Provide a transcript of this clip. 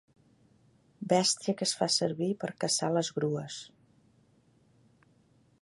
Bèstia que es fa servir per caçar les grues.